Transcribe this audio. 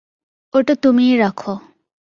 ওটা তুমিই রাখো।